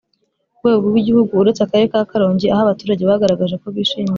Ku rwego rw Igihugu uretse akarere ka Karongi aho abaturage bagaragaje ko bishimiye